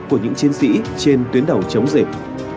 của những chiến sĩ trên tuyến đầu chống dịch